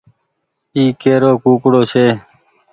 اي ڪي رو ڪوڪڙو ڇي۔